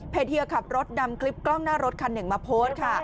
เฮียขับรถนำคลิปกล้องหน้ารถคันหนึ่งมาโพสต์ค่ะ